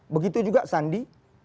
begitu juga sandi